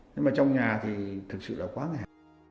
nhưng mà trong nhà thì thực sự là quá nghèo